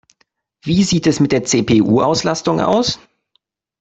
Wie sieht es mit der CPU-Auslastung aus?